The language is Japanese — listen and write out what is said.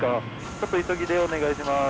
ちょっと急ぎでお願いします。